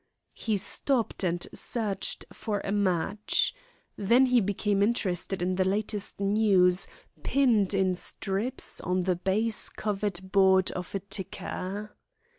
He stopped and searched for a match. Then he became interested in the latest news, pinned in strips on the baize covered board of a "ticker."